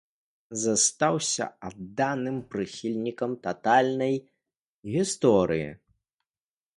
Застаўся адданым прыхільнікам татальнай гісторыі.